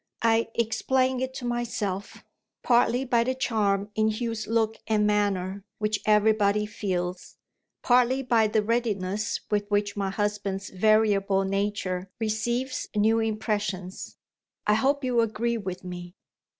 I explain it to myself, partly by the charm in Hugh's look and manner, which everybody feels; partly by the readiness with which my husband's variable nature receives new impressions. I hope you agree with me.